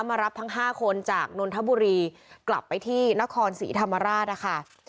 มารับทั้ง๕คนจากนนทบุรีกลับไปที่นครศรีธรรมราชนะคะ